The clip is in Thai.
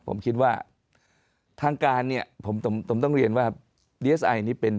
ผมคิดว่าทางการเนี่ยผมผมต้องเรียนว่าดีเอสไอนี่เป็น